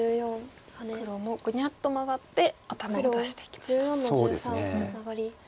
黒もグニャッとマガって頭を出していきました。